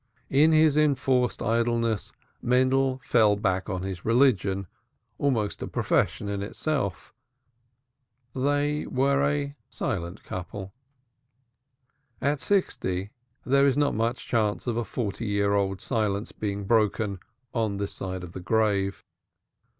In his enforced idleness Mendel fell back on his religion, almost a profession in itself. They were a silent couple. At sixty there is not much chance of a forty year old silence being broken on this side of the grave.